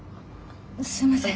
すいません。